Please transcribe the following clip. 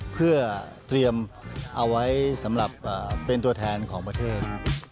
เพื่อเตรียมเอาไว้สำหรับเป็นตัวแทนของประเทศ